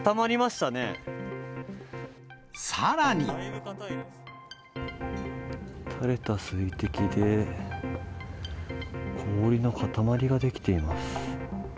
たれた水滴で、氷の塊が出来ています。